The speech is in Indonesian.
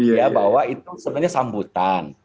ya bahwa itu sebenarnya sambutan